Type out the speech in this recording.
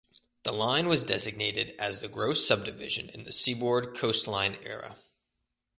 The line was designated as the Gross Subdivision in the Seaboard Coast Line era.